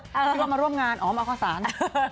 ที่เรามาร่วมงานอ๋อมาข้อสาร